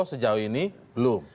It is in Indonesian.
sejauh ini belum